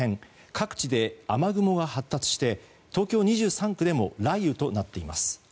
各地で雨雲が発達して東京２３区でも雷雨となっています。